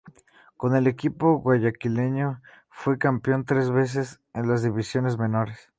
Con el equipo guayaquileño fue campeón tres veces en las divisiones menores.